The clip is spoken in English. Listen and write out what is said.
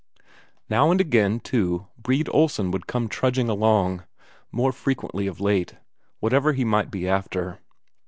Now and again, too, Brede Olsen would come trudging along, more frequently of late whatever he might be after.